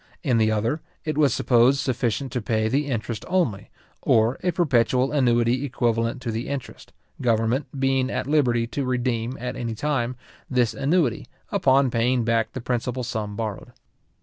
In the other, it was supposed sufficient to pay the interest only, or a perpetual annuity equivalent to the interest, government being at liberty to redeem, at any time, this annuity, upon paying back the principal sum borrowed.